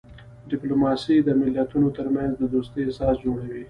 ډیپلوماسي د ملتونو ترمنځ د دوستۍ اساس جوړوي.